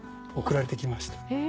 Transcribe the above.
送られてきました。